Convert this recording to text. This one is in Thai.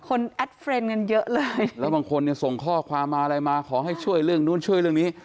แอดเฟรนด์กันเยอะเลยแล้วบางคนเนี่ยส่งข้อความมาอะไรมาขอให้ช่วยเรื่องนู้นช่วยเรื่องนี้